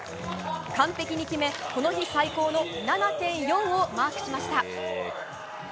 完璧に決め、この日最高の７．４をマークしました。